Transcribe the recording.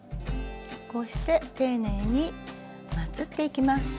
こうして丁寧にまつっていきます。